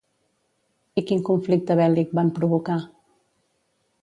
I quin conflicte bèl·lic van provocar?